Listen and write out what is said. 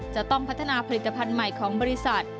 จะต้องพัฒนาผลิตภัณฑ์ใหม่ของบริษัท